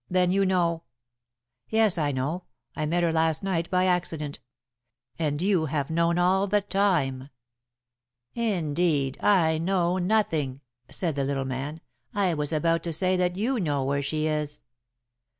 "Then you know " "Yes, I know; I met her last night by accident. And you have known all the time." "Indeed, I know nothing," said the little man. "I was about to say that you know where she is?"